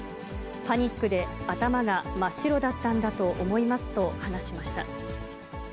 パニックで頭が真っ白だったんだと思いますと話しました。